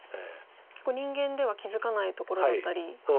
結構人間では気付かないところだったり。